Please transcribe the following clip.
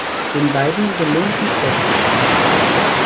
Den beiden gelingt die Flucht.